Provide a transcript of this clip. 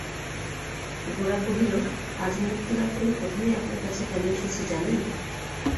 গোরা কহিল, আজ মুক্তিলাভ করে প্রথমেই আপনার কাছে কেন এসেছি জানেন?